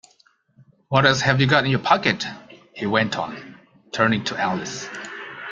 ‘What else have you got in your pocket?’ he went on, turning to Alice.